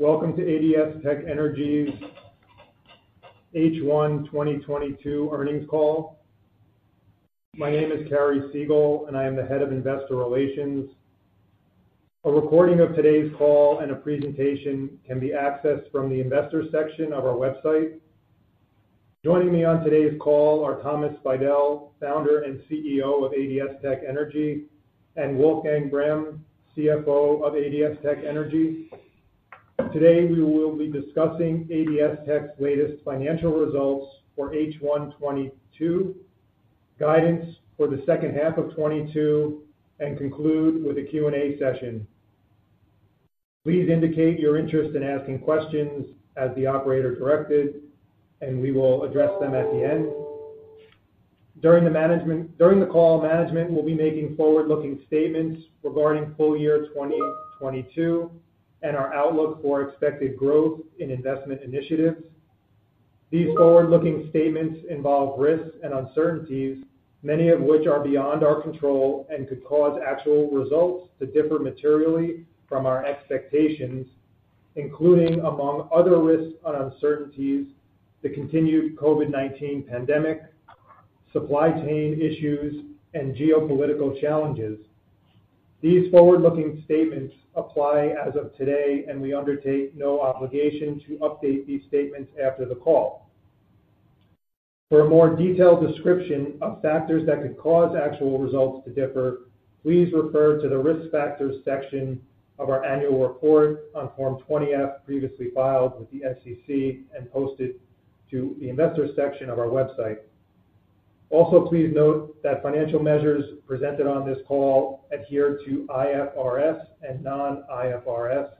Welcome to ADS-TEC Energy's H1 2022 earnings call. My name is Cary Segall, and I am the Head of Investor Relations. A recording of today's call and a presentation can be accessed from the investor section of our website. Joining me on today's call are Thomas Speidel, Founder and CEO of ADS-TEC Energy, and Wolfgang Breme, CFO of ADS-TEC Energy. Today, we will be discussing ADS-TEC Energy's latest financial results for H1 2022, guidance for the H2 of 2022, and conclude with a Q&A session. Please indicate your interest in asking questions as the operator directed, and we will address them at the end. During the call, management will be making forward-looking statements regarding full year 2022 and our outlook for expected growth in investment initiatives. These forward-looking statements involve risks and uncertainties, many of which are beyond our control and could cause actual results to differ materially from our expectations, including among other risks and uncertainties, the continued COVID-19 pandemic, supply chain issues, and geopolitical challenges. These forward-looking statements apply as of today, and we undertake no obligation to update these statements after the call. For a more detailed description of factors that could cause actual results to differ, please refer to the Risk Factors section of our annual report on Form 20-F previously filed with the SEC and posted to the investor section of our website. Also, please note that financial measures presented on this call adhere to IFRS and non-IFRS.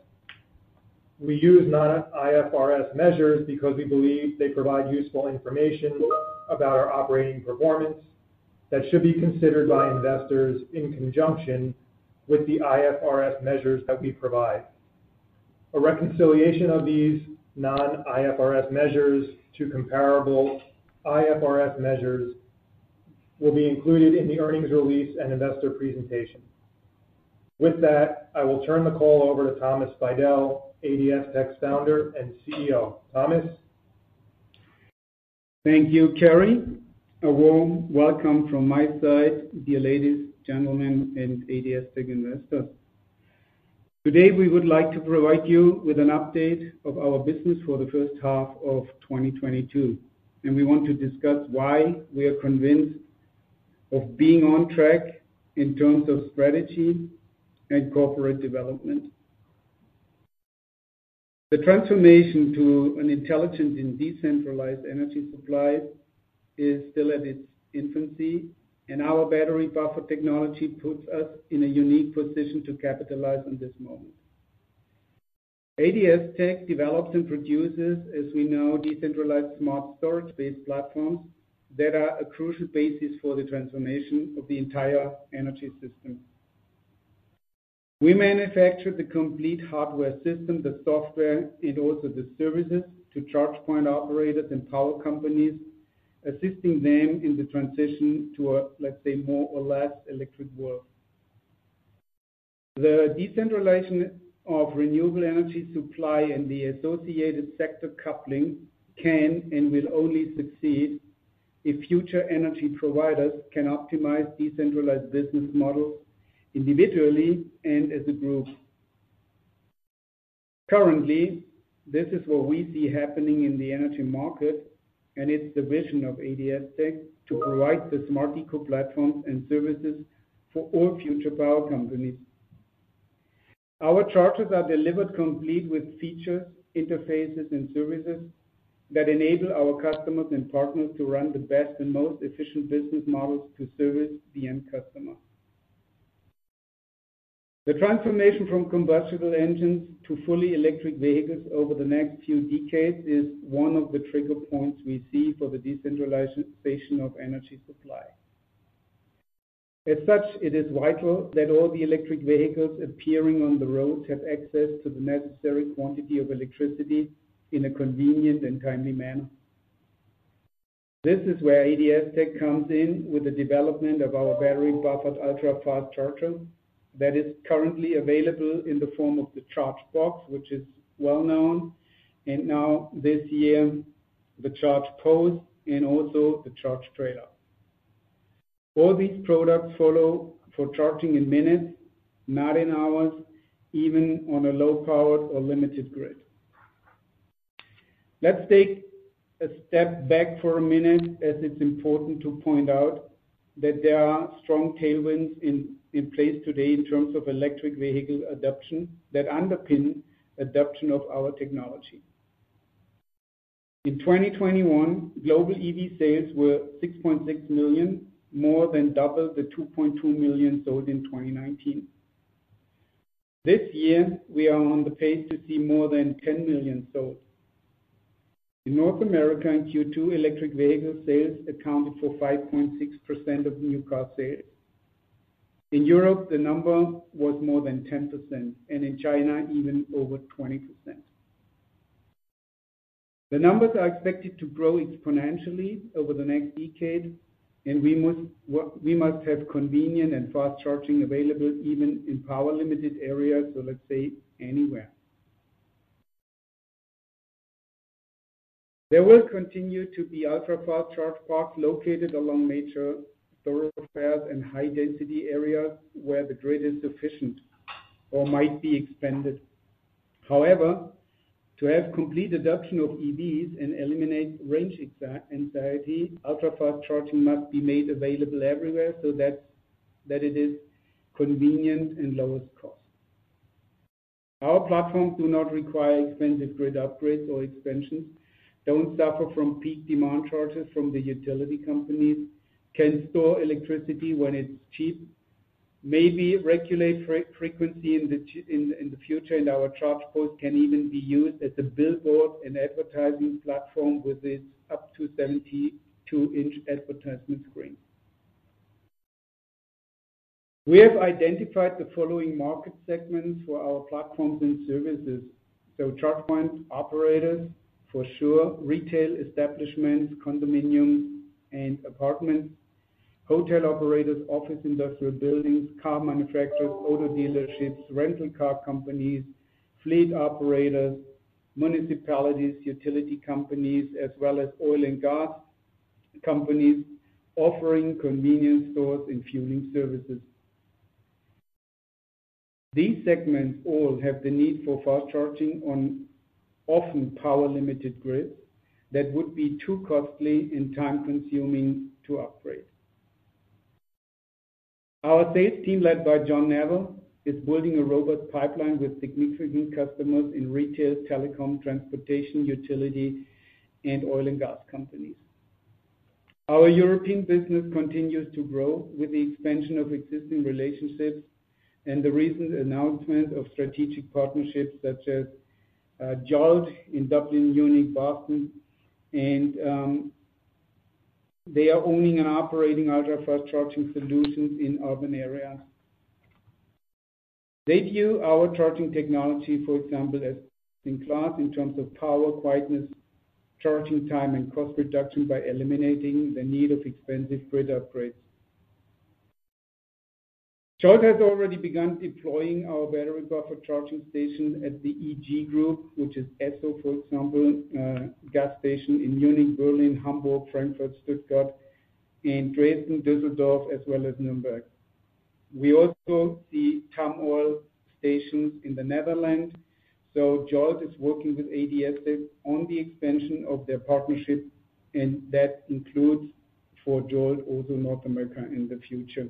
We use non-IFRS measures because we believe they provide useful information about our operating performance that should be considered by investors in conjunction with the IFRS measures that we provide. A reconciliation of these non-IFRS measures to comparable IFRS measures will be included in the earnings release and investor presentation. With that, I will turn the call over to Thomas Speidel, ADS-TEC's Founder and CEO. Thomas. Thank you, Cary. A warm welcome from my side, dear ladies, gentlemen and ADS-TEC investors. Today, we would like to provide you with an update of our business for the H1 of 2022, and we want to discuss why we are convinced of being on track in terms of strategy and corporate development. The transformation to an intelligent and decentralized energy supply is still at its infancy, and our battery buffer technology puts us in a unique position to capitalize on this moment. ADS-TEC develops and produces, as we know, decentralized smart storage-based platforms that are a crucial basis for the transformation of the entire energy system. We manufacture the complete hardware system, the software, and also the services to charge point operators and power companies, assisting them in the transition to a, let's say, more or less electric world. The decentralization of renewable energy supply and the associated sector coupling can and will only succeed if future energy providers can optimize decentralized business models individually and as a group. Currently, this is what we see happening in the energy market, and it's the vision of ADS-TEC to provide the smart eco platforms and services for all future power companies. Our chargers are delivered complete with features, interfaces, and services that enable our customers and partners to run the best and most efficient business models to service the end customer. The transformation from combustible engines to fully electric vehicles over the next few decades is one of the trigger points we see for the decentralization of energy supply. As such, it is vital that all the electric vehicles appearing on the roads have access to the necessary quantity of electricity in a convenient and timely manner. This is where ADS-TEC comes in with the development of our battery buffered ultra-fast charger that is currently available in the form of the ChargeBox, which is well known, and now this year, the ChargePost and also the ChargeTrailer. All these products allow for charging in minutes, not in hours, even on a low powered or limited grid. Let's take a step back for a minute, as it's important to point out that there are strong tailwinds in place today in terms of electric vehicle adoption that underpin adoption of our technology. In 2021, global EV sales were 6.6 million, more than double the 2.2 million sold in 2019. This year, we are on the pace to see more than 10 million sold. In North America, in Q2, electric vehicle sales accounted for 5.6% of new car sales. In Europe, the number was more than 10%, and in China, even over 20%. The numbers are expected to grow exponentially over the next decade, and we must have convenient and fast charging available even in power-limited areas, so let's say anywhere. There will continue to be ultra-fast charge parks located along major thoroughfares and high-density areas where the grid is sufficient or might be expanded. However, to have complete adoption of EVs and eliminate range anxiety, ultra-fast charging must be made available everywhere, so that it is convenient and lowest cost. Our platforms do not require expensive grid upgrades or expansions, don't suffer from peak demand charges from the utility companies, can store electricity when it's cheap, maybe regulate frequency in the future, and our ChargePost can even be used as a billboard and advertising platform with its up to 72-inch advertisement screen. We have identified the following market segments for our platforms and services. Charge point operators, for sure, retail establishments, condominiums and apartments, hotel operators, office industrial buildings, car manufacturers, auto dealerships, rental car companies, fleet operators, municipalities, utility companies, as well as oil and gas companies offering convenience stores and fueling services. These segments all have the need for fast charging on often power-limited grids that would be too costly and time-consuming to upgrade. Our sales team, led by John Neville, is building a robust pipeline with significant customers in retail, telecom, transportation, utility, and oil and gas companies. Our European business continues to grow with the expansion of existing relationships and the recent announcement of strategic partnerships such as JOLT in Dublin, Munich, Boston, and they are owning and operating ultra-fast charging solutions in urban areas. They view our charging technology, for example, as best-in-class in terms of power, quietness, charging time, and cost reduction by eliminating the need of expensive grid upgrades. JOLT has already begun deploying our battery buffer charging station at the EG Group, which is Esso, for example, gas station in Munich, Berlin, Hamburg, Frankfurt, Stuttgart, and Dresden, Düsseldorf, as well as Nuremberg. We also see Tamoil stations in the Netherlands. JOLT is working with ADAC on the expansion of their partnership, and that includes for JOLT also North America in the future.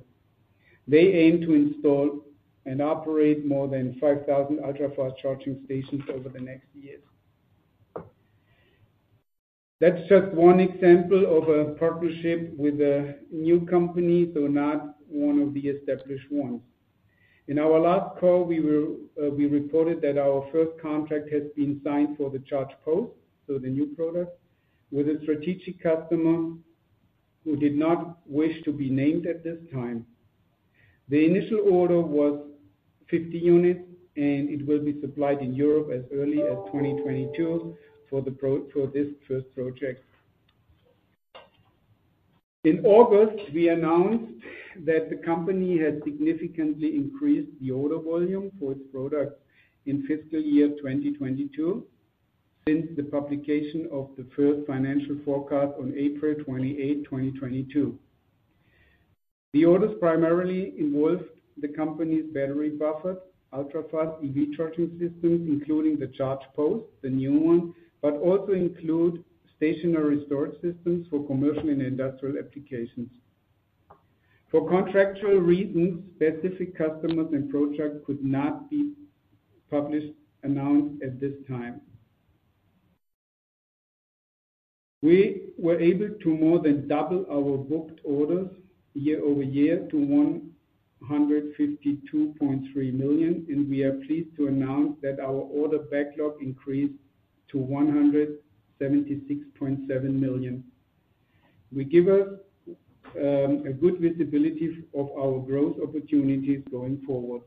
They aim to install and operate more than 5,000 ultra-fast charging stations over the next years. That's just 1 example of a partnership with a new company, not one of the established ones. In our last call, we reported that our first contract has been signed for the ChargePost, the new product, with a strategic customer who did not wish to be named at this time. The initial order was 50 units, and it will be supplied in Europe as early as 2022 for this first project. In August, we announced that the company has significantly increased the order volume for its products in fiscal year 2022 since the publication of the first financial forecast on April 28, 2022. The orders primarily involved the company's battery-buffered ultra-fast EV charging systems, including the ChargePost, the new one, but also include stationary storage systems for commercial and industrial applications. For contractual reasons, specific customers and projects could not be published or announced at this time. We were able to more than double our booked orders year-over-year to 152.3 million, and we are pleased to announce that our order backlog increased to EUR 176.7 million. Will give us a good visibility of our growth opportunities going forward.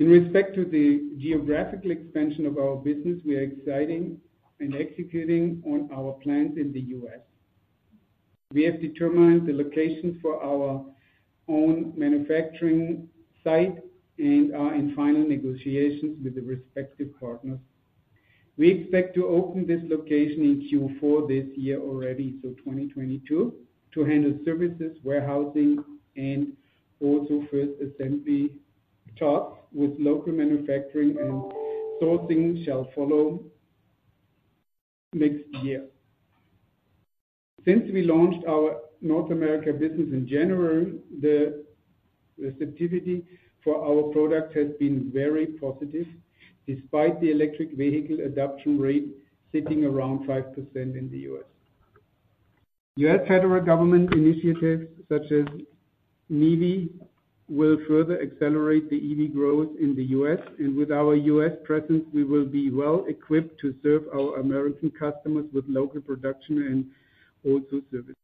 In respect to the geographical expansion of our business, we are excited and executing on our plans in the U.S. We have determined the location for our own manufacturing site and are in final negotiations with the respective partners. We expect to open this location in Q4 this year already, so 2022, to handle services, warehousing, and also first assembly tasks with local manufacturing and sourcing shall follow next year. Since we launched our North America business in January, the receptivity for our products has been very positive, despite the electric vehicle adoption rate sitting around 5% in the U.S. U.S. federal government initiatives such as NEVI will further accelerate the EV growth in the U.S., and with our U.S. presence, we will be well equipped to serve our American customers with local production and also services.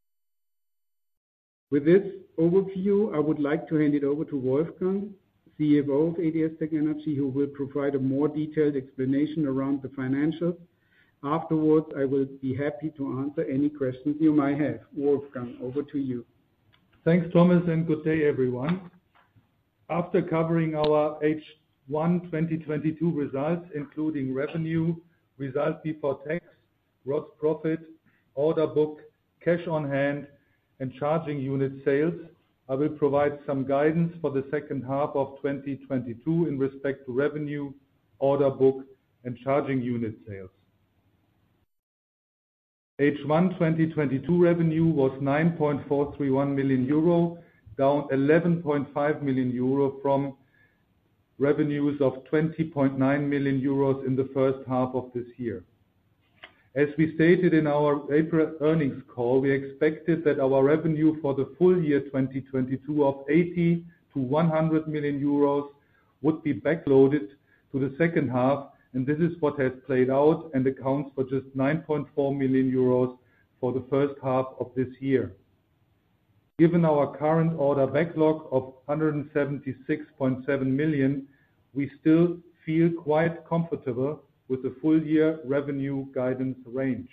With this overview, I would like to hand it over to Wolfgang, CFO of ADS-TEC Energy, who will provide a more detailed explanation around the financials. Afterwards, I will be happy to answer any questions you might have. Wolfgang, over to you. Thanks, Thomas, and good day everyone. After covering our H1-2022 results, including revenue, results before tax, gross profit, order book, cash on hand, and charging unit sales, I will provide some guidance for the H2 of 2022 in respect to revenue, order book, and charging unit sales. H1-2022 revenue was 9.431 million euro, down 11.5 million euro from revenues of 20.9 million euros in the H1 of this year. As we stated in our April earnings call, we expected that our revenue for the full year 2022 of 80 million to 100 million euros would be back-loaded to the H2, and this is what has played out and accounts for just 9.4 million euros for the H1 of this year. Given our current order backlog of 176.7 million, we still feel quite comfortable with the full year revenue guidance range.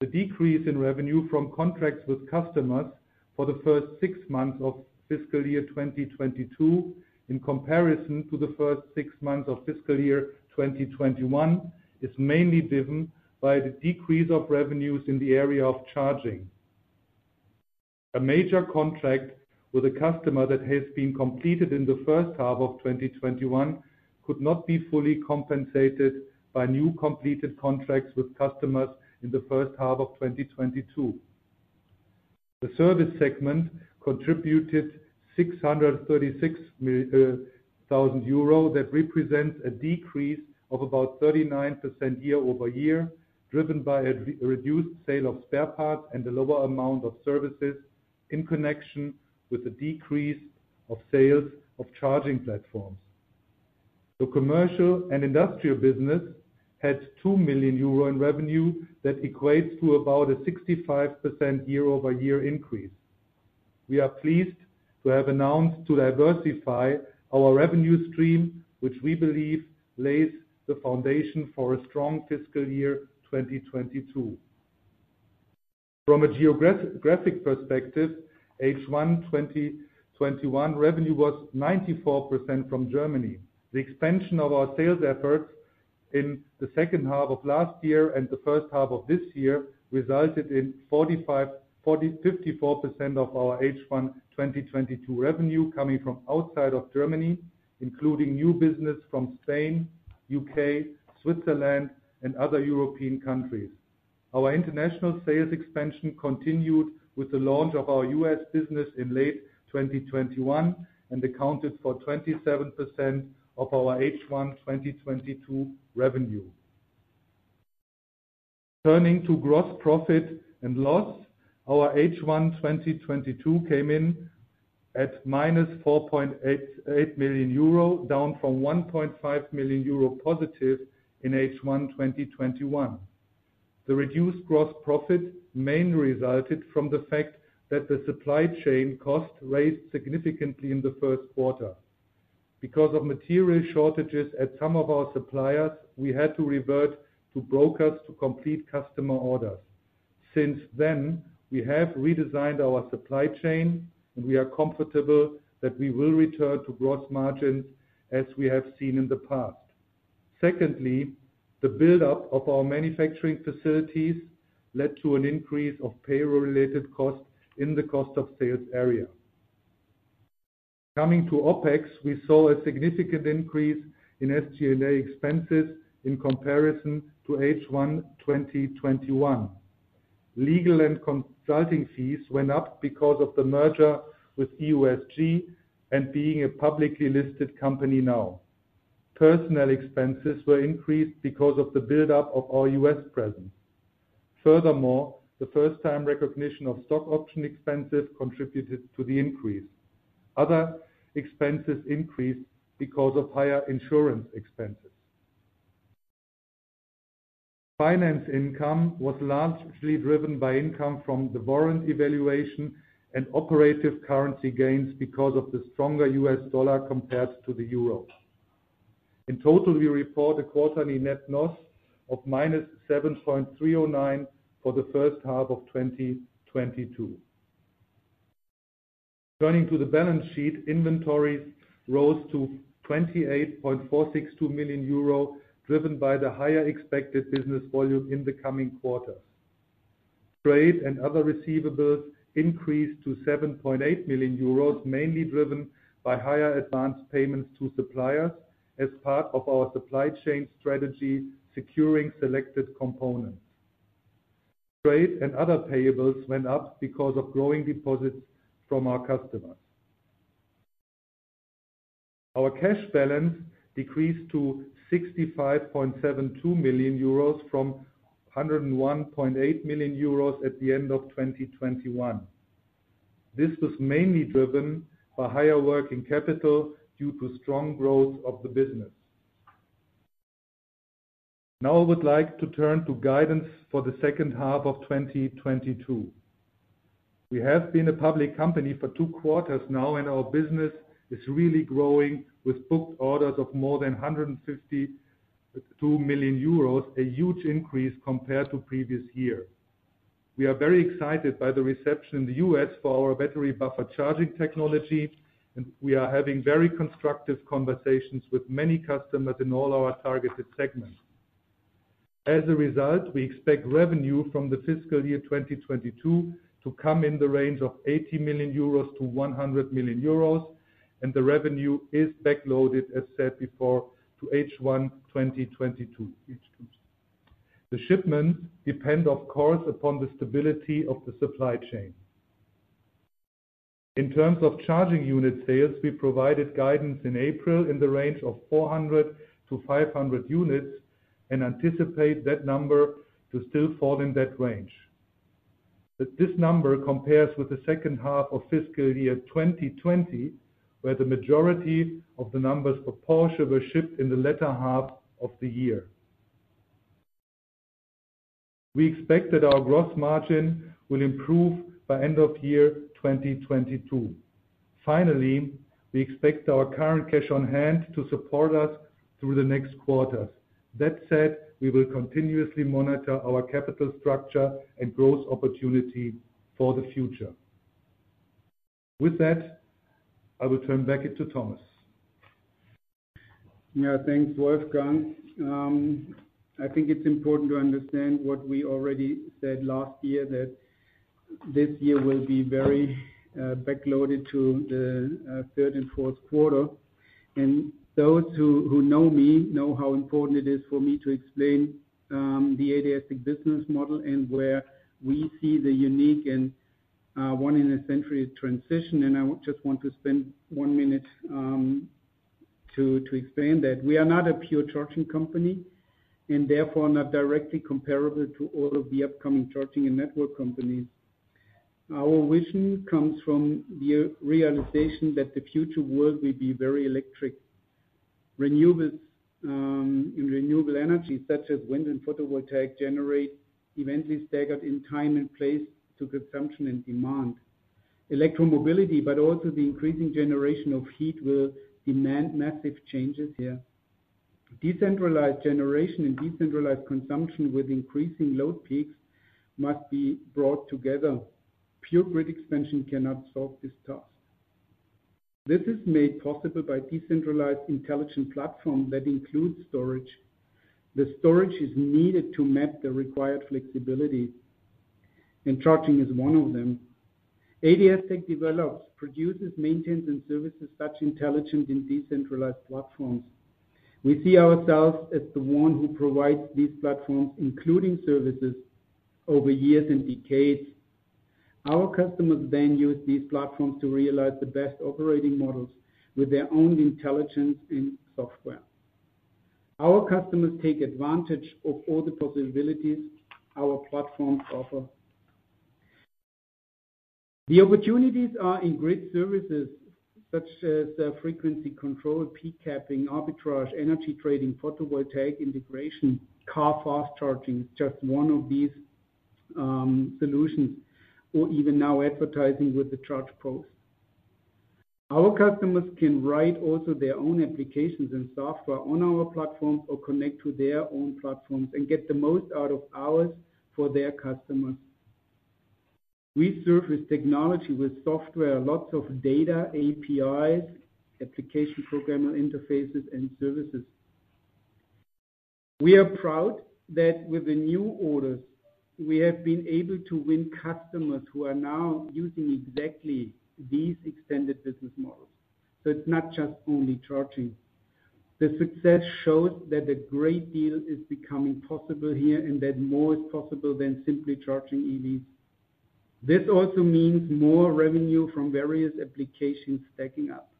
The decrease in revenue from contracts with customers for the first 6 months of fiscal year 2022 in comparison to the first 6 months of fiscal year 2021 is mainly driven by the decrease of revenues in the area of charging. A major contract with a customer that has been completed in the H1 of 2021 could not be fully compensated by new completed contracts with customers in the H1 of 2022. The service segment contributed 636 thousand euro. That represents a decrease of about 39% year-over-year, driven by a reduced sale of spare parts and the lower amount of services in connection with the decrease of sales of charging platforms. The commercial and industrial business had 2 million euro in revenue that equates to about a 65% year-over-year increase. We are pleased to have announced to diversify our revenue stream, which we believe lays the foundation for a strong fiscal year 2022. From a geographic perspective, H1 2021 revenue was 94% from Germany. The expansion of our sales efforts in the H2 of last year and the H1 of this year resulted in 54% of our H1 2022 revenue coming from outside of Germany, including new business from Spain, U.K., Switzerland, and other European countries. Our international sales expansion continued with the launch of our U.S. business in late 2021, and accounted for 27% of our H1 2022 revenue. Turning to gross profit and loss. Our H1 2022 came in at -4.88 million euro, down from 1.5 million euro positive in H1 2021. The reduced gross profit mainly resulted from the fact that the supply chain costs rose significantly in the Q1. Because of material shortages at some of our suppliers, we had to resort to brokers to complete customer orders. Since then, we have redesigned our supply chain, and we are comfortable that we will return to gross margins as we have seen in the past. Secondly, the buildup of our manufacturing facilities led to an increase of payroll-related costs in the cost of sales area. Coming to OpEx, we saw a significant increase in SG&A expenses in comparison to H1 2021. Legal and consulting fees went up because of the merger with EUSG and being a publicly listed company now. Personnel expenses were increased because of the buildup of our U.S. presence. Furthermore, the first-time recognition of stock option expenses contributed to the increase. Other expenses increased because of higher insurance expenses. Finance income was largely driven by income from the warrant evaluation and operative currency gains because of the stronger U.S. dollar compared to the euro. In total, we report a quarterly net loss of -7.309 for the H1 of 2022. Turning to the balance sheet, inventories rose to 28.462 million euro, driven by the higher expected business volume in the coming quarters. Trade and other receivables increased to 7.8 million euros, mainly driven by higher advance payments to suppliers as part of our supply chain strategy, securing selected components. Trade and other payables went up because of growing deposits from our customers. Our cash balance decreased to 65.72 million euros from 101.8 million euros at the end of 2021. This was mainly driven by higher working capital due to strong growth of the business. Now I would like to turn to guidance for the H2 of 2022. We have been a public company for 2 quarters now, and our business is really growing with booked orders of more than 152 million euros, a huge increase compared to previous year. We are very excited by the reception in the U.S. for our battery buffer charging technology, and we are having very constructive conversations with many customers in all our targeted segments. As a result, we expect revenue from the fiscal year 2022 to come in the range of 80 million euros to 100 million euros, and the revenue is backloaded, as said before, to H1 2022. The shipments depend, of course, upon the stability of the supply chain. In terms of charging unit sales, we provided guidance in April in the range of 400 to 500 units and anticipate that number to still fall in that range. This number compares with the H2 of fiscal year 2020, where the majority of the numbers for Porsche were shipped in the latter half of the year. We expect that our gross margin will improve by end of 2022. Finally, we expect our current cash on hand to support us through the next quarters. That said, we will continuously monitor our capital structure and growth opportunity for the future. With that, I will turn it back to Thomas. Yeah. Thanks, Wolfgang. I think it's important to understand what we already said last year, that this year will be very backloaded to the Q3 and Q4. Those who know me know how important it is for me to explain the ADS-TEC business model and where we see the unique and 1-in-a-century transition. I just want to spend 1 minute to explain that. We are not a pure charging company and therefore not directly comparable to all of the upcoming charging and network companies. Our vision comes from the realization that the future world will be very electric. Renewables in renewable energy such as wind and photovoltaic generation is staggered in time and place to consumption and demand. Electromobility, but also the increasing generation of heat, will demand massive changes here. Decentralized generation and decentralized consumption with increasing load peaks must be brought together. Pure grid expansion cannot solve this task. This is made possible by decentralized intelligent platform that includes storage. The storage is needed to map the required flexibility, and charging is one of them. ADS-TEC develops, produces, maintains, and services such intelligent and decentralized platforms. We see ourselves as the one who provides these platforms, including services over years and decades. Our customers then use these platforms to realize the best operating models with their own intelligence and software. Our customers take advantage of all the possibilities our platforms offer. The opportunities are in grid services such as, frequency control, peak capping, arbitrage, energy trading, photovoltaic integration, car fast charging, just one of these, solutions, or even now advertising with the ChargePost. Our customers can write also their own applications and software on our platforms or connect to their own platforms and get the most out of ours for their customers. We serve with technology, with software, lots of data, APIs, Application Programming Interfaces and services. We are proud that with the new orders, we have been able to win customers who are now using exactly these extended business models. It's not just only charging. The success shows that a great deal is becoming possible here, and that more is possible than simply charging EVs. This also means more revenue from various applications stacking up.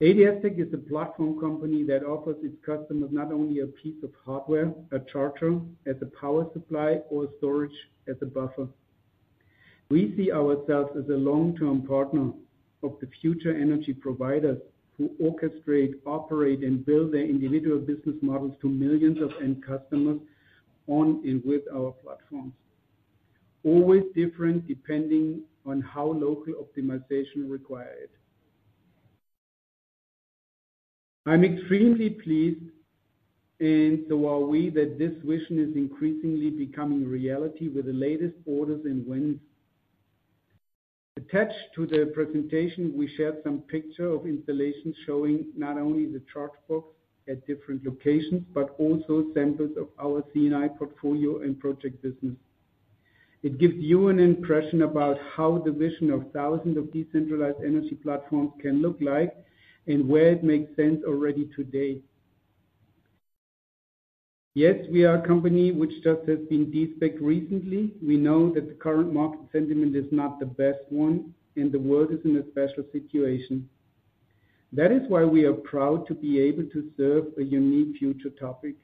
ADS-TEC is a platform company that offers its customers not only a piece of hardware, a charger as a power supply, or storage as a buffer. We see ourselves as a long-term partner of the future energy providers who orchestrate, operate, and build their individual business models to millions of end customers on and with our platforms. Always different depending on how local optimization require it. I'm extremely pleased, and so are we, that this vision is increasingly becoming reality with the latest orders and wins. Attached to the presentation, we shared some picture of installations showing not only the charge ports at different locations, but also samples of our C&I portfolio and project business. It gives you an impression about how the vision of thousands of decentralized energy platforms can look like and where it makes sense already today. Yes, we are a company which just has been de-SPACed recently. We know that the current market sentiment is not the best one, and the world is in a special situation. That is why we are proud to be able to serve a unique future topic.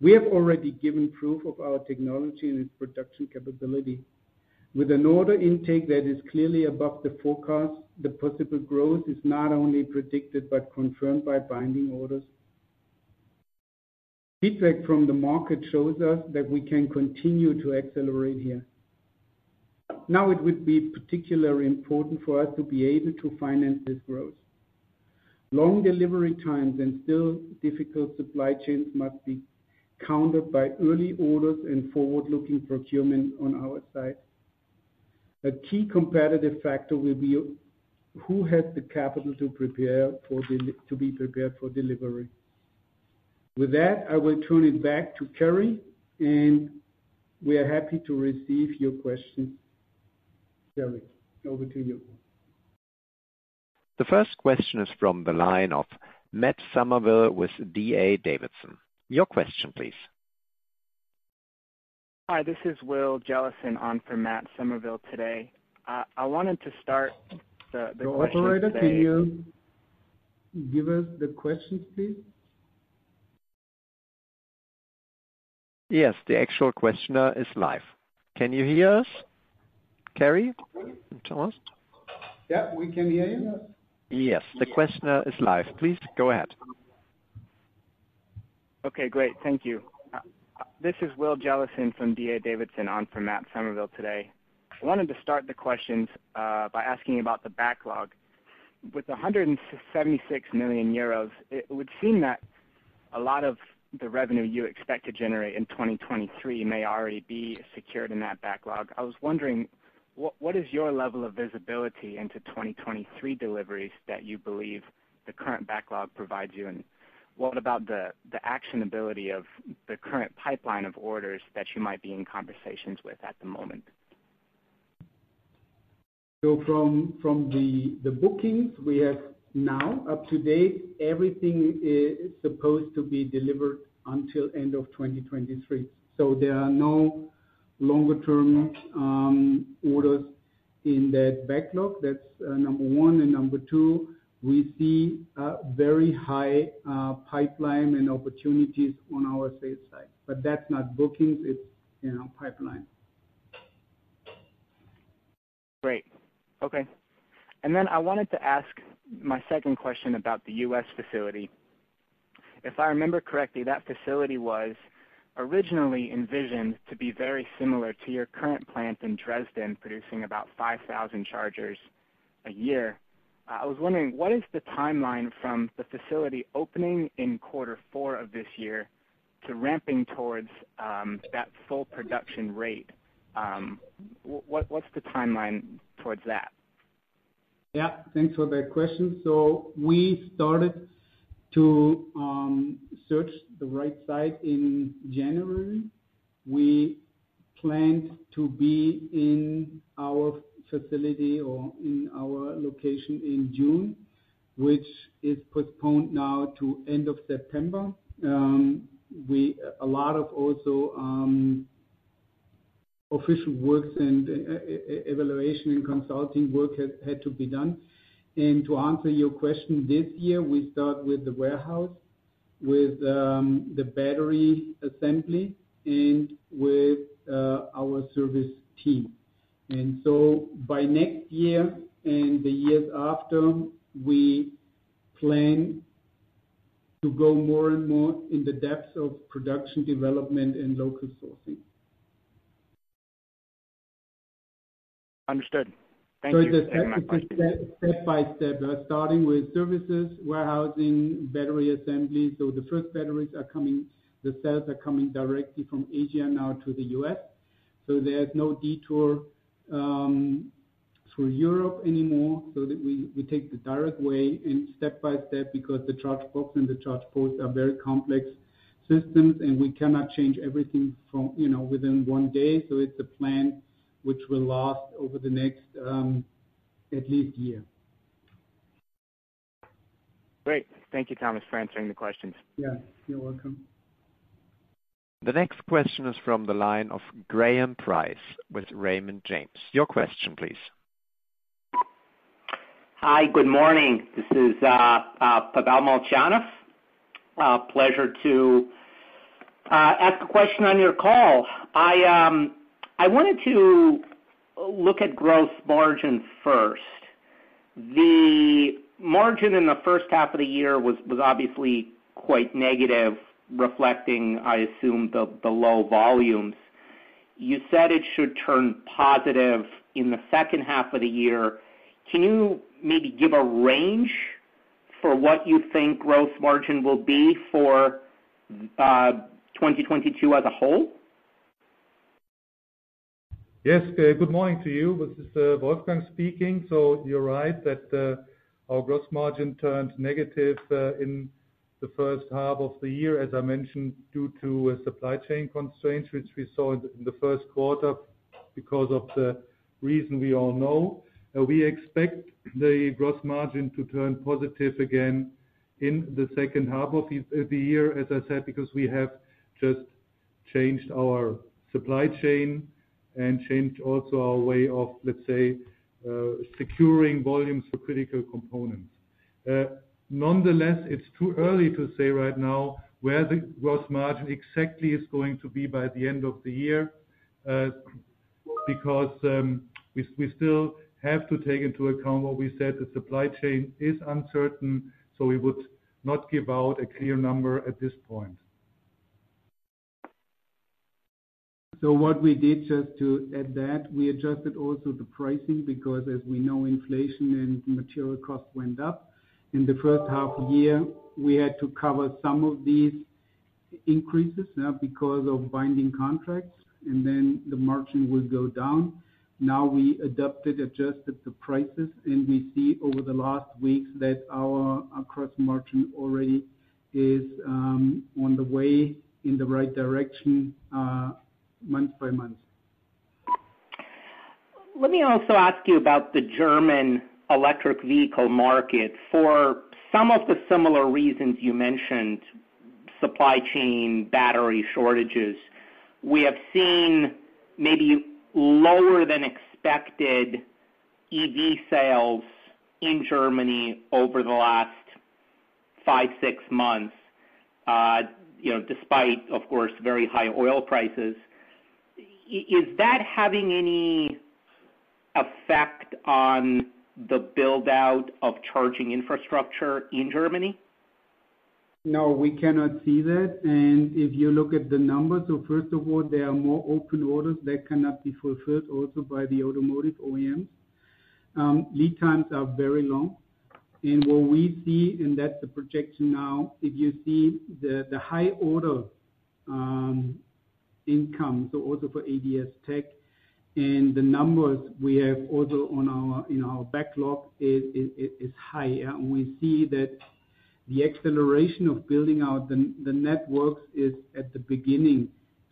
We have already given proof of our technology and its production capability. With an order intake that is clearly above the forecast, the possible growth is not only predicted but confirmed by binding orders. Feedback from the market shows us that we can continue to accelerate here. Now it would be particularly important for us to be able to finance this growth. Long delivery times and still difficult supply chains must be countered by early orders and forward-looking procurement on our side. A key competitive factor will be who has the capital to be prepared for delivery. With that, I will turn it back to Cary, and we are happy to receive your questions. Cary, over to you. The first question is from the line of Matt Summerville with D.A. Davidson. Your question please. Hi, this is Will Jellison on for Matt Summerville today. I wanted to start the questions today. Operator, can you give us the questions, please? Yes. The actual questioner is live. Can you hear us, Cary and Thomas? Yeah, we can hear you. Yes. The questioner is live. Please go ahead. Okay, great. Thank you. This is Will Jellison from D.A. Davidson, on for Matt Summerville today. I wanted to start the questions by asking about the backlog. With 176 million euros, it would seem that a lot of the revenue you expect to generate in 2023 may already be secured in that backlog. I was wondering, what is your level of visibility into 2023 deliveries that you believe the current backlog provides you? And what about the actionability of the current pipeline of orders that you might be in conversations with at the moment? From the bookings we have now, up to date, everything is supposed to be delivered until end of 2023. There are no long-term orders in that backlog. That's number 1. Number 2, we see a very high pipeline and opportunities on our sales side. That's not bookings, it's, you know, pipeline. Great. Okay. I wanted to ask my second question about the US facility. If I remember correctly, that facility was originally envisioned to be very similar to your current plant in Dresden, producing about 5,000 chargers a year. I was wondering, what is the timeline from the facility opening in Q4 of this year to ramping towards that full production rate? What's the timeline towards that? Yeah, thanks for that question. We started to search the right site in January. We planned to be in our facility or in our location in June, which is postponed now to end of September. A lot of also official works and evaluation and consulting work had to be done. To answer your question, this year, we start with the warehouse, with the battery assembly and with our service team. By next year and the years after, we plan to go more and more in the depths of production development and local sourcing. Understood. Thank you. The tactic is step by step. Starting with services, warehousing, battery assembly. The cells are coming directly from Asia now to the U.S., so there's no detour through Europe anymore, so that we take the direct way and step by step, because the ChargeBox and the ChargePost are very complex systems, and we cannot change everything from, you know, within 1 day. It's a plan which will last over the next at least year. Great. Thank you, Thomas, for answering the questions. Yeah, you're welcome. The next question is from the line of Pavel Molchanov with Raymond James. Your question please. Hi. Good morning. This is Pavel Molchanov. Pleasure to ask a question on your call. I wanted to look at gross margin first. The margin in the H1 of the year was obviously quite negative, reflecting, I assume, the low volumes. You said it should turn positive in the H2 of the year. Can you maybe give a range for what you think gross margin will be for 2022 as a whole? Yes. Good morning to you. This is Wolfgang speaking. You're right that our gross margin turned negative in the H1 of the year, as I mentioned, due to supply chain constraints, which we saw in the Q1 because of the reason we all know. We expect the gross margin to turn positive again in the H2 of the year, as I said, because we have just changed our supply chain and changed also our way of, let's say, securing volumes for critical components. Nonetheless, it's too early to say right now where the gross margin exactly is going to be by the end of the year, because we still have to take into account what we said, the supply chain is uncertain, so we would not give out a clear number at this point. What we did just to add that, we adjusted also the pricing, because as we know, inflation and material costs went up. In the H1 year, we had to cover some of these increases, because of binding contracts, and then the margin will go down. Now we adapted, adjusted the prices, and we see over the last weeks that our gross margin already is on the way in the right direction, month by month. Let me also ask you about the German electric vehicle market. For some of the similar reasons you mentioned, supply chain, battery shortages, we have seen maybe lower than expected EV sales in Germany over the last 5 to 6 months, you know, despite, of course, very high oil prices. Is that having any effect on the build-out of charging infrastructure in Germany? No, we cannot see that. If you look at the numbers, first of all, there are more open orders that cannot be fulfilled also by the automotive OEMs. Lead times are very long. What we see, and that's the projection now, if you see the high order income, so also for ADS-TEC and the numbers we have also on our, in our backlog is high. We see that the acceleration of building out the networks is at the beginning.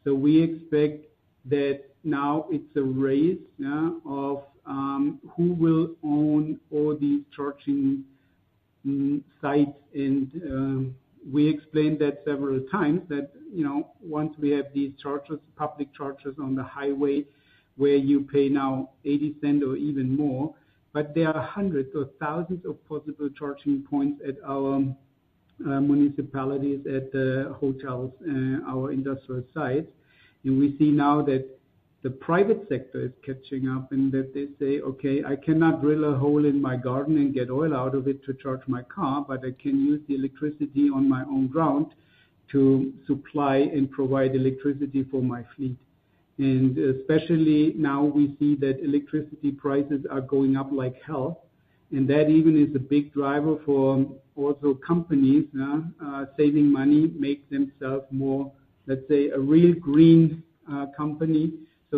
We expect that now it's a race of who will own all these charging sites. We explained that several times that, you know, once we have these chargers, public chargers on the highway, where you pay now 0.80 or even more. There are hundreds or thousands of possible charging points at our municipalities, at hotels, our industrial sites. We see now that the private sector is catching up and that they say, "Okay, I cannot drill a hole in my garden and get oil out of it to charge my car, but I can use the electricity on my own ground to supply and provide electricity for my fleet." Especially now we see that electricity prices are going up like hell. That even is a big driver for also companies, yeah, saving money, make themselves more, let's say, a real green company.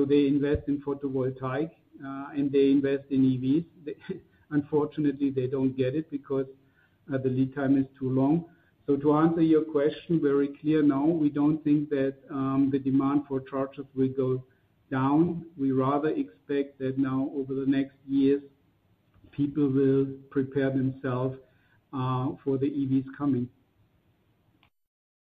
They invest in photovoltaic, and they invest in EVs. Unfortunately, they don't get it because the lead time is too long. To answer your question very clear, no, we don't think that the demand for chargers will go down. We rather expect that now over the next years, people will prepare themselves for the EVs coming.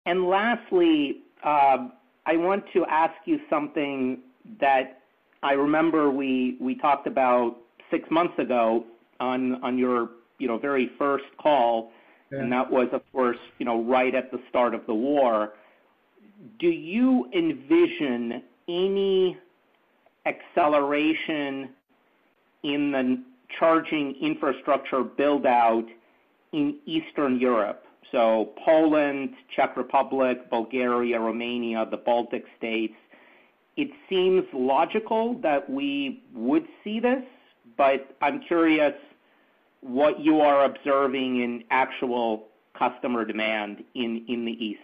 Lastly, I want to ask you something that I remember we talked about 6 months ago on your, you know, very first call. Yeah. That was, of course, you know, right at the start of the war. Do you envision any acceleration in the charging infrastructure build-out in Eastern Europe? Poland, Czech Republic, Bulgaria, Romania, the Baltic states. It seems logical that we would see this, but I'm curious what you are observing in actual customer demand in the east.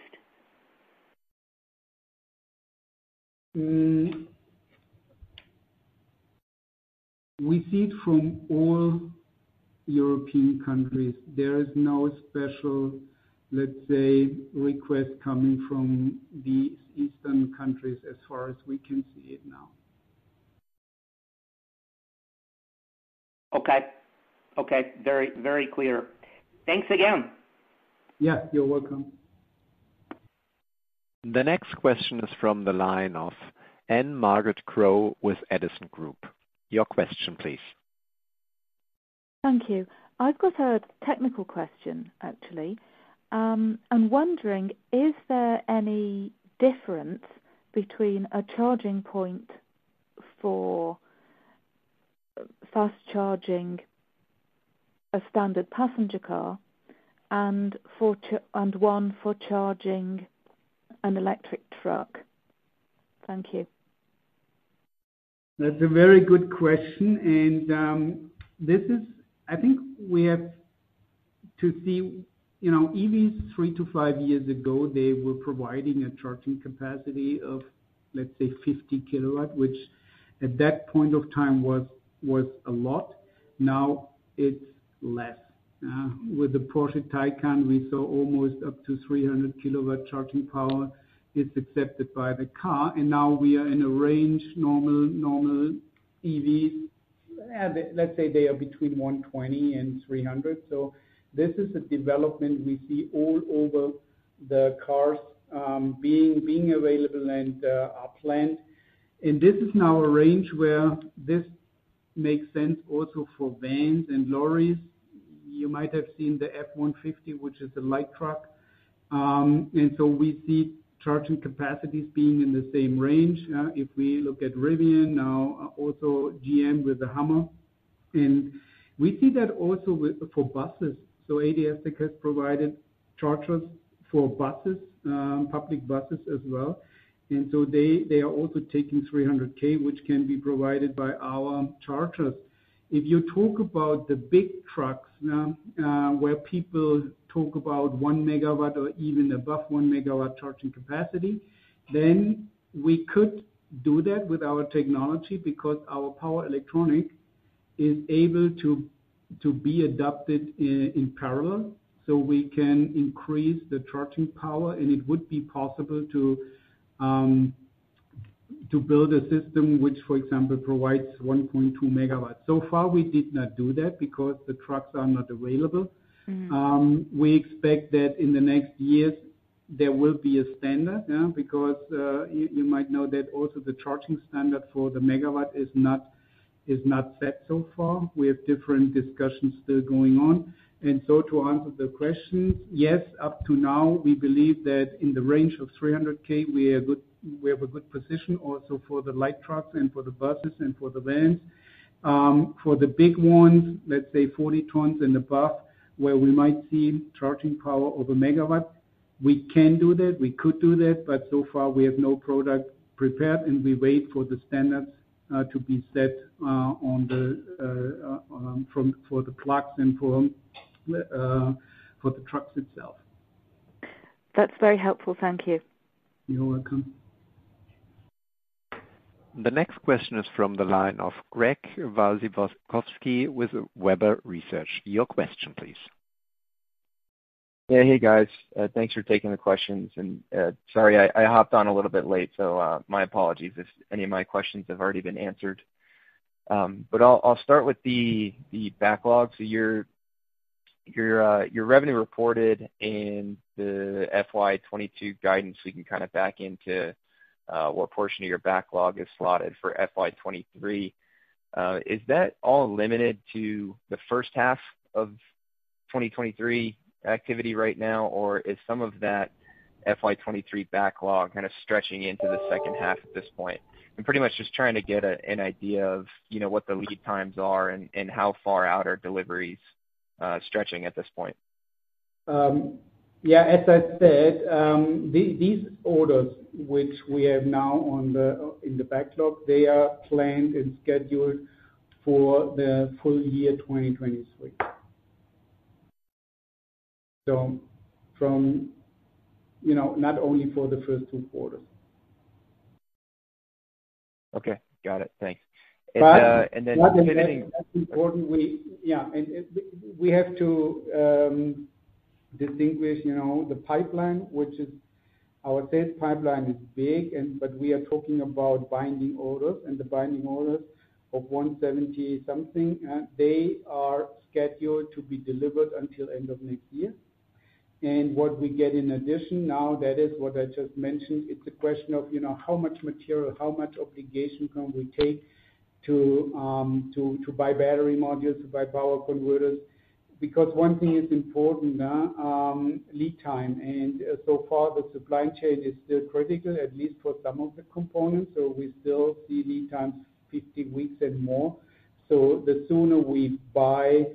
We see it from all European countries. There is no special, let's say, request coming from these eastern countries as far as we can see it now. Okay. Okay. Very, very clear. Thanks again. Yeah, you're welcome. The next question is from the line of Anne Margaret Crow with Edison Group. Your question, please. Thank you. I've got a technical question, actually. I'm wondering, is there any difference between a charging point for fast-charging a standard passenger car and 1 for charging an electric truck? Thank you. That's a very good question. This is, I think we have to see, you know, EVs 3 to 5 years ago, they were providing a charging capacity of, let's say, 50 kW, which at that point of time was a lot. Now it's less. With the Porsche Taycan, we saw almost up to 300 kW charging power is accepted by the car. Now we are in a range, normal EVs, let's say they are between 120 and 300. This is a development we see all over the cars being available and are planned. This is now a range where this makes sense also for vans and lorries. You might have seen the F-150, which is a light truck. We see charging capacities being in the same range if we look at Rivian now, also GM with the Hummer. We see that also with, for buses. ADS-TEC has provided chargers for buses, public buses as well. They are also taking 300 kW, which can be provided by our chargers. If you talk about the big trucks, where people talk about 1 megawatt or even above 1 megawatt charging capacity, then we could do that with our technology because our power electronics is able to be adapted in parallel. We can increase the charging power, and it would be possible to build a system which, for example, provides 1.2 megawatts. So far, we did not do that because the trucks are not available. We expect that in the next years, there will be a standard. Because you might know that also the charging standard for the megawatt is not set so far. We have different discussions still going on. To answer the questions, yes, up to now, we believe that in the range of 300 kW, we have a good position also for the light trucks and for the buses and for the vans. For the big ones, let's say 40 tons and above, where we might see charging power over megawatt, we can do that. We could do that, but so far, we have no product prepared, and we wait for the standards to be set for the plugs and for the trucks itself. That's very helpful. Thank you. You're welcome. The next question is from the line of Greg Wasikowski with Webber Research. Your question, please. Yeah. Hey, guys. Thanks for taking the questions. Sorry, I hopped on a little bit late, so my apologies if any of my questions have already been answered. I'll start with the backlog. Your revenue reported in the FY 2022 guidance, so you can kind of back into what portion of your backlog is slotted for FY 2023. Is that all limited to the H1 of 2023 activity right now, or is some of that FY 2023 backlog kind of stretching into the H2 at this point? I'm pretty much just trying to get an idea of, you know, what the lead times are and how far out are deliveries stretching at this point. As I said, these orders which we have now in the backlog, they are planned and scheduled for the full year, 2023. From, you know, not only for the first 2 quarters. Okay. Got it. Thanks. But- And, uh, and then- That's important. Yeah, we have to distinguish, you know, the pipeline, which is our sales pipeline, is big, but we are talking about binding orders and the binding orders of 170-something, and they are scheduled to be delivered until end of next year. What we get in addition now, that is what I just mentioned. It's a question of, you know, how much material, how much obligation can we take to buy battery modules, to buy power converters? Because 1 thing is important, lead time. So far, the supply chain is still critical, at least for some of the components. We still see lead times 50 weeks and more. The sooner we buy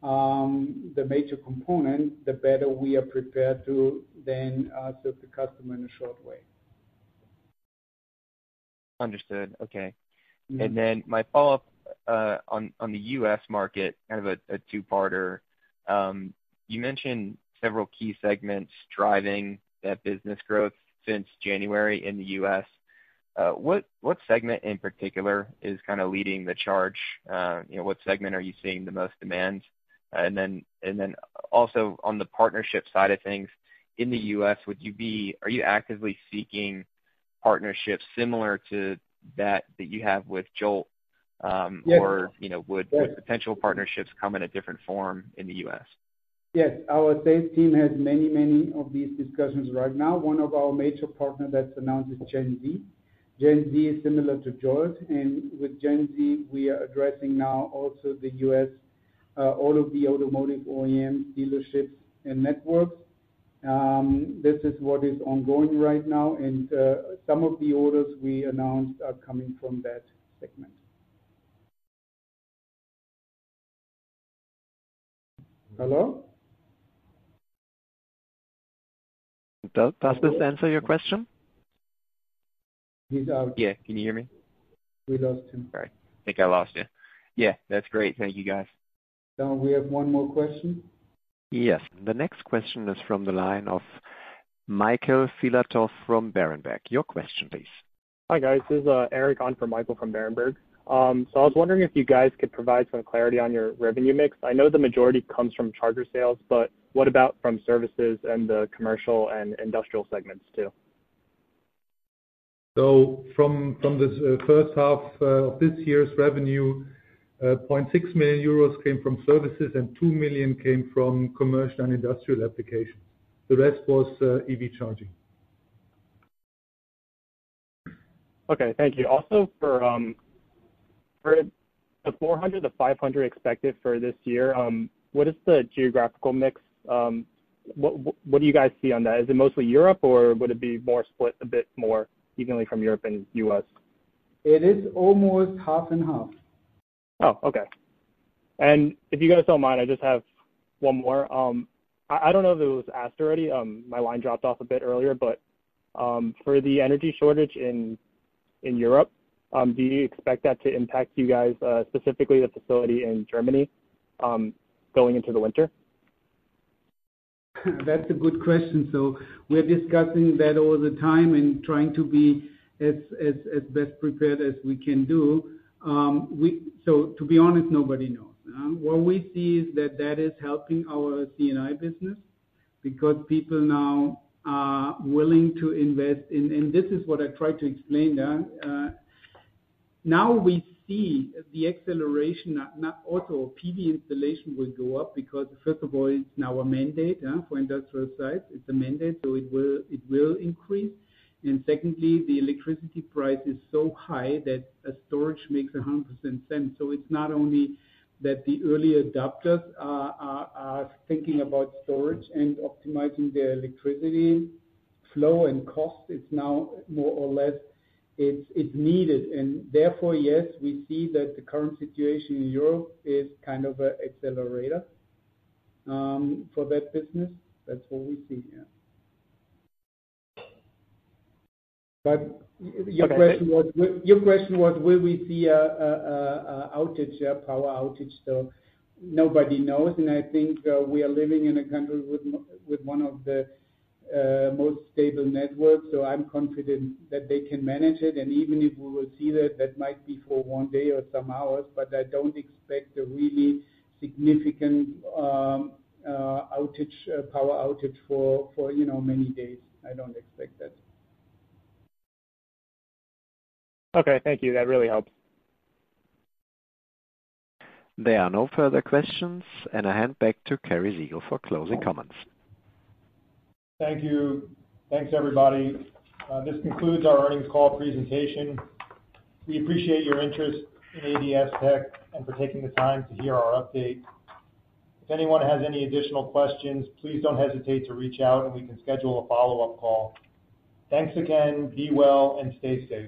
the major component, the better we are prepared to then serve the customer in a short way. Understood. Okay. Mm-hmm. Then my follow-up on the US market, kind of a 2-parter. You mentioned several key segments driving that business growth since January in the US. What segment in particular is kinda leading the charge? You know, what segment are you seeing the most demand? Also on the partnership side of things, in the US, are you actively seeking partnerships similar to that you have with JOLT? Yes. You know, would potential partnerships come in a different form in the U.S.? Yes. Our sales team has many, many of these discussions right now. One of our major partner that's announced is GenZ. GenZ is similar to JOLT, and with GenZ, we are addressing now also the US, all of the automotive OEM dealerships and networks. This is what is ongoing right now. Some of the orders we announced are coming from that segment. Hello? Does this answer your question? He's out. Yeah. Can you hear me? We lost him. All right. Think I lost you. Yeah, that's great. Thank you, guys. Don, we have 1 more question. Yes. The next question is from the line of Michael Filatov from Berenberg. Your question, please. Hi, guys. This is Eric on for Michael Filatov from Berenberg. I was wondering if you guys could provide some clarity on your revenue mix. I know the majority comes from charger sales, but what about from services and the commercial and industrial segments too? From this H1 of this year's revenue, 0.6 million euros came from services and 2 million came from commercial and industrial applications. The rest was EV charging. Okay, thank you. Also for the 400 to 500 expected for this year, what is the geographical mix? What do you guys see on that? Is it mostly Europe, or would it be more split a bit more evenly from Europe and U.S.? It is almost 50/50. Oh, okay. If you guys don't mind, I just have 1 more. I don't know if it was asked already, my line dropped off a bit earlier, but for the energy shortage in Europe, do you expect that to impact you guys, specifically the facility in Germany, going into the winter? That's a good question. We're discussing that all the time and trying to be as best prepared as we can do. To be honest, nobody knows. What we see is that is helping our C&I business because people now are willing to invest. This is what I tried to explain, yeah. Now we see the acceleration, not auto, PV installation will go up because first of all, it's now a mandate, yeah, for industrial sites. It's a mandate, so it will increase. Secondly, the electricity price is so high that a storage makes 100% sense. It's not only that the early adopters are thinking about storage and optimizing their electricity flow and cost. It's now more or less needed. Therefore, yes, we see that the current situation in Europe is kind of a accelerator for that business. That's what we see, yeah. Your question was- Okay. Your question was will we see a power outage though? Nobody knows. I think we are living in a country with one of the most stable networks, so I'm confident that they can manage it. Even if we will see that might be for 1 day or some hours, but I don't expect a really significant power outage for, you know, many days. I don't expect that. Okay. Thank you. That really helps. There are no further questions, and I hand back to Cary Segall for closing comments. Thank you. Thanks, everybody. This concludes our earnings call presentation. We appreciate your interest in ADS-TEC Energy and for taking the time to hear our update. If anyone has any additional questions, please don't hesitate to reach out, and we can schedule a follow-up call. Thanks again. Be well and stay safe.